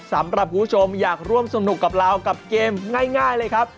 สำหรับคุณผู้ชมอยากร่วมสนุกกับเรากับเกมง่ายเลยครับ